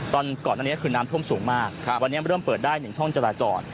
ก่อนอันนี้คือน้ำท่วมสูงมากวันนี้เริ่มเปิดได้๑ช่องจราจร